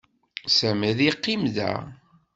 Sami ad yeqqim da.